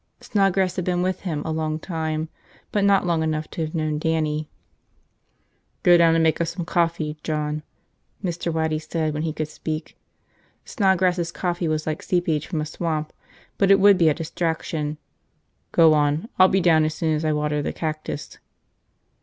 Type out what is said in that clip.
Snodgrass had been with him a long time – but not long enough to have known Dannie. "Go down and make us some coffee, John," Mr. Waddy said when he could speak. Snodgrass' coffee was like seepage from a swamp but it would be a distraction. "Go on. I'll be down as soon as I water the cactus."